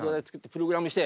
プログラムして。